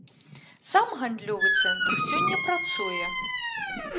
Сам гандлёвы цэнтр сёння працуе.